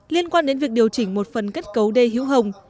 liên quan đến việc điều chỉnh một phần kết cấu đê hữu hồng